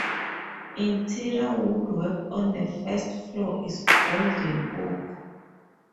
Interior woodwork on the first floor is golden oak.